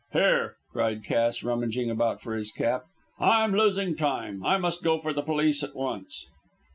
"Here," cried Cass, rummaging about for his cap, "I'm losing time. I must go for the police at once."